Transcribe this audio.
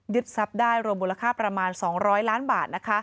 ทรัพย์ได้รวมมูลค่าประมาณ๒๐๐ล้านบาท